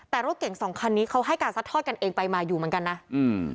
แต่รถเก่งสองคันนี้เขาให้การซัดทอดกันเองไปมาอยู่เหมือนกันนะอืม